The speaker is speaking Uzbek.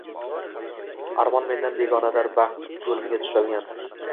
Armon mendan begonadir baxt yulimga tushalgan